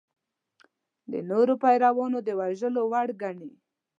د نورو پیروان د وژلو وړ ګڼي.